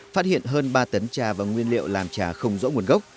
phát hiện hơn ba tấn trà và nguyên liệu làm trà không rõ nguồn gốc